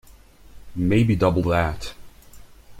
Maybe double that.